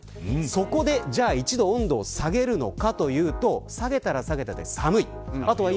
そこで一度温度を下げるのかというと下げたら下げたで寒くなります。